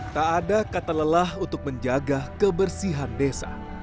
tak ada kata lelah untuk menjaga kebersihan desa